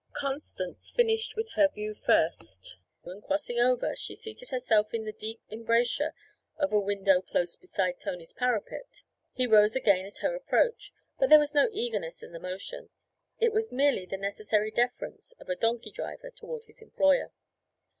Constance finished with her view first, and crossing over, she seated herself in the deep embrasure of a window close beside Tony's parapet. He rose again at her approach, but there was no eagerness in the motion; it was merely the necessary deference of a donkey driver toward his employer.